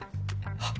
あっ。